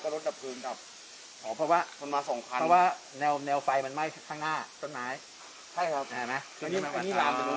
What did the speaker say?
ถ้าด้วยว่าเนราไฟไหม้ทางหน้าต้นไม้